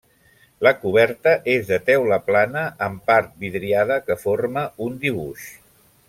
La coberta és de teula plana en part vidriada que forma un dibuix.